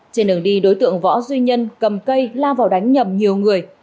trên đường đi đối tượng võ duy nhân cầm cây lao vào đánh nhầm nhiều người